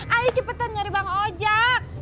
ayo cepetan nyari bang ojek